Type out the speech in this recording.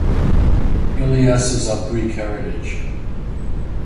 Ilias is of Greek heritage.